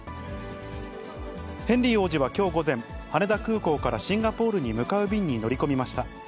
ヘンリー王子はきょう午前、羽田空港からシンガポールに向かう便に乗り込みました。